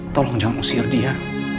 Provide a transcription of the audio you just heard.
tolong jangan usir dia